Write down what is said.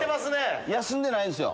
休んでないですよ。